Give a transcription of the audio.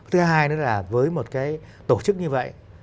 thứ hai nữa là với một cái tổ chức như vậy